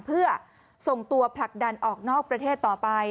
เพื่อส่งตัวผลักดันออกนอกประเทศต่อไป